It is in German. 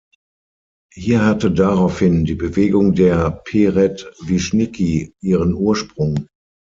Hier hatte daraufhin die Bewegung der Peredwischniki ihren Ursprung.